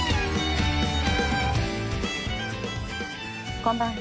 こんばんは。